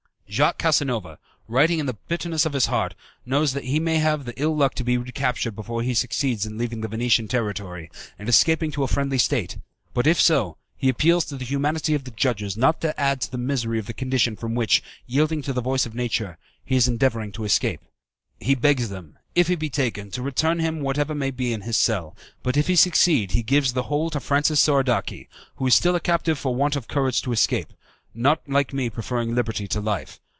"Jacques Casanova, writing in the bitterness of his heart, knows that he may have the ill luck to be recaptured before he succeeds in leaving the Venetian territory and escaping to a friendly state; but if so, he appeals to the humanity of the judges not to add to the misery of the condition from which, yielding to the voice of nature, he is endeavouring to escape. He begs them, if he be taken, to return him whatever may be in his cell, but if he succeed he gives the whole to Francis Soradaci, who is still a captive for want of courage to escape, not like me preferring liberty to life.